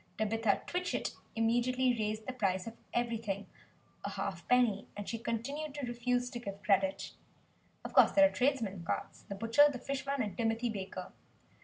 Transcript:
Tabitha Twitchit immediately raised the price of everything a half penny; and she continued to refuse to give credit. Of course there are the trades men's carts the butcher, the fish man and Timothy Baker.